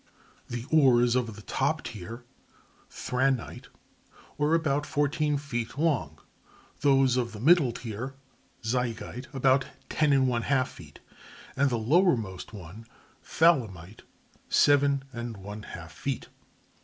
The oars of the top tier (thranite) were about fourteen feet long, those of the middle tier (zygite) about ten and one half feet, and the lowermost one (thalamite) seven and one half feet.